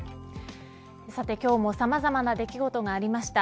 さて今日もさまざまな出来事がありました。